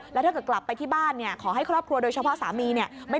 แล้วเธอก็กลับไปที่บ้านขอให้ครอบครัวโดยเฉพาะสามีเนี่ย